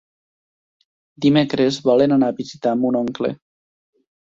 Dimecres volen anar a visitar mon oncle.